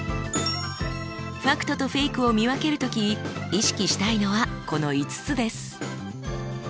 ファクトとフェイクを見分ける時意識したいのはこの５つです。